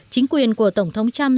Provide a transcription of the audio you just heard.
chính quyền của tổng thống trump